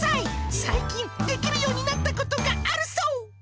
最近、できるようになったことがあるそう。